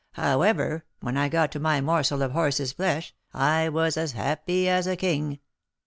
However, when I got to my morsel of horse's flesh, I was as happy as a king!